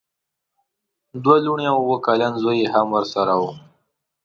دوه لوڼې او اوه کلن زوی یې هم ورسره وو.